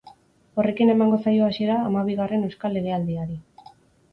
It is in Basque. Horrekin emango zaio hasiera hamabigarren euskal legealdiari.